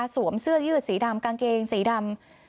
สวมเสื้อยืดสีดำกางเกงสีดำ